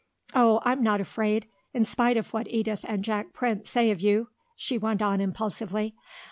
"Oh, I'm not afraid, in spite of what Edith and Jack Prince say of you," she went on impulsively.